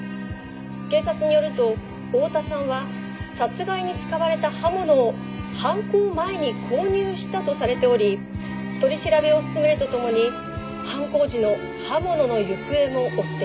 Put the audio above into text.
「警察によると大多さんは殺害に使われた刃物を犯行前に購入したとされており取り調べを進めると共に犯行時の刃物の行方を追っています」